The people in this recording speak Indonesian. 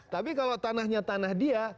tapi kalau tanahnya tanah dia